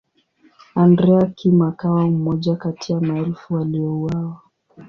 Andrea Kim akawa mmoja kati ya maelfu waliouawa.